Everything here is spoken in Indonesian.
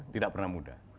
tidak pernah mudah